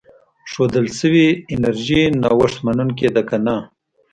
ښودل شوې انرژي نوښت منونکې ده که نه.